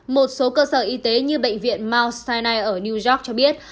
một số cơ sở y tế như bệnh viện mount sinai ở new york cho biết